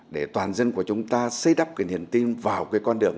để toàn dân của chúng ta xây đắp cái niềm tin vào cái con đường